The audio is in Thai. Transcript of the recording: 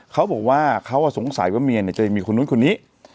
เขาบอกว่าเขาสงสัยว่าเมียจะมีคนนู้นคนนี้